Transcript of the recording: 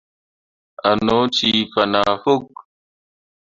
A no cii fana fok.